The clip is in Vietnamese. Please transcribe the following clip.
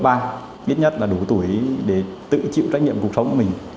ít nhất là đủ tuổi để tự chịu trách nhiệm cuộc sống của mình